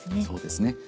そうですね